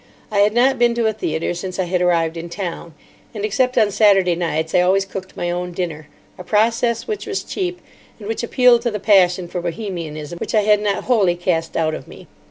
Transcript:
I had not been to a theatre since I had arrived in town; and, except on Saturday nights, I always cooked my own dinner, a process which was cheap, and which appealed to the passion for Bohemianism which I had not wholly cast out of me.